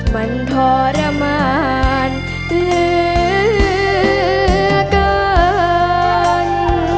มันทรมานเหลือเกิน